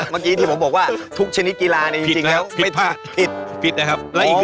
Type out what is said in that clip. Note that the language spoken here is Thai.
เมื่อกี้ที่ผมบอกว่าทุกชนิดกีฬานี้จริงแล้วไม่ผิดนะครับแล้วอีกคือ